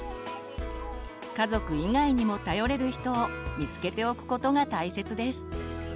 家族以外にも頼れる人を見つけておくことが大切です。